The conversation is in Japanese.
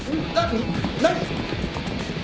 何！？